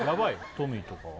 トミーとかは？